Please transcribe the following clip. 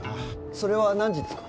それは何時ですか？